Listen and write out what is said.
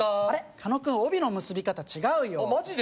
狩野君帯の結び方違うよあっマジで？